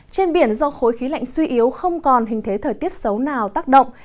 trên biển do khối khí lạnh suy yếu không còn hình thế thời tiết xấu nào tác động